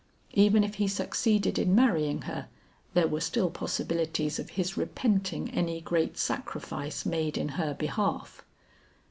Even if he succeeded in marrying her there were still possibilities of his repenting any great sacrifice made in her behalf."